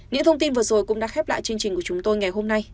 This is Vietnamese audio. những thông tin vừa rồi cũng đã khép lại chương trình của chúng tôi ngày hôm nay